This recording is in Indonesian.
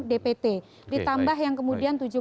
dpt ditambah yang kemudian